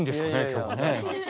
今日はね。